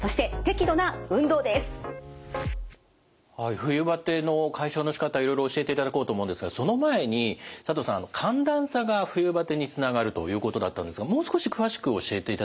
冬バテの解消のしかたいろいろ教えていただこうと思うんですがその前に佐藤さん寒暖差が冬バテにつながるということだったんですがもう少し詳しく教えていただけますか？